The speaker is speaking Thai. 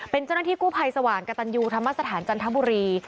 เป็นเจ้าหน้าที่กู้ภัยสว่างกระตันยูธรรมสถานจันทบุรี